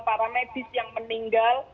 para medis yang meninggal